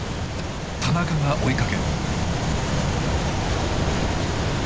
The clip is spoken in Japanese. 田中が追いかける。